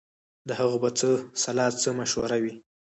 د هغه به څه سلا څه مشوره وي